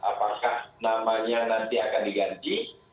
apakah namanya nanti akan diganti